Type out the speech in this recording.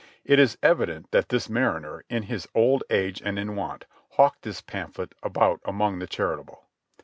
It is evident that this mariner, in his old age and in want, hawked this pamphlet about among the charitable.